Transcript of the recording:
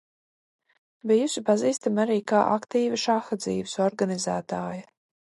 Bijusi pazīstama arī kā aktīva šaha dzīves organizētāja.